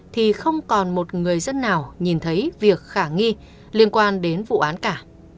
thì không còn một người dân nào nhìn thấy việc khả nghi liên quan đến vụ án cả